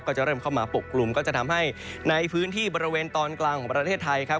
ก็จะเริ่มเข้ามาปกกลุ่มก็จะทำให้ในพื้นที่บริเวณตอนกลางของประเทศไทยครับ